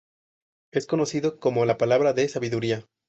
Es conocido como la Palabra de Sabiduría.